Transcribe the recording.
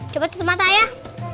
coba tutup mata ayah